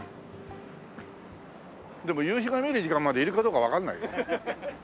でも夕日が見える時間までいるかどうかわかんないよ。